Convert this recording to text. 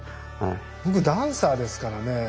僕ダンサーですからね。